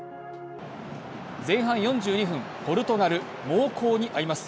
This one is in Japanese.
前半４２分、ポルトガル、猛攻に遭います。